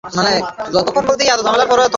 এটা কি এমন কঠিন?